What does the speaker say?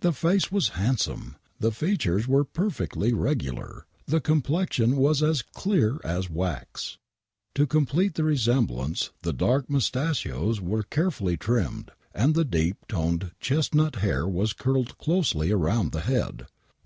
The face was handsome ! The features were perfectly regular ! The complexion was as clear as wax ! To complete the resemblance the dark miistachois were care fully trimmed, and the deep toned chestnut hair was curled closely round the head.